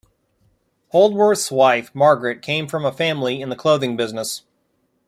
Holdsworth's wife, Margaret, came from a family in the clothing business.